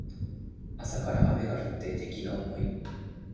朝から雨が降っていて気が重い